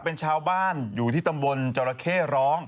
เป็นชาวบ้านอยู่ที่ตำบลจราเข้ร้อง